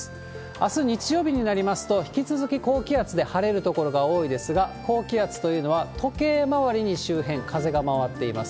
あす日曜日になりますと、引き続き高気圧で晴れる所が多いですが、高気圧というのは時計回りに周辺、風が回っています。